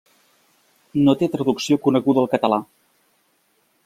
No té traducció coneguda al català.